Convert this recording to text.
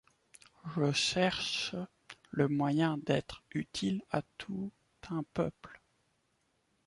Je cherche le moyen d'être utile à tout un peuple.